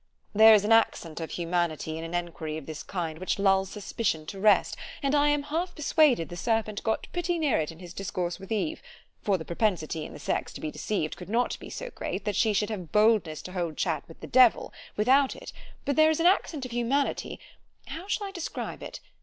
There is an accent of humanity in an enquiry of this kind which lulls SUSPICION to rest——and I am half persuaded the serpent got pretty near it, in his discourse with Eve; for the propensity in the sex to be deceived could not be so great, that she should have boldness to hold chat with the devil, without it——But there is an accent of humanity——how shall I describe it?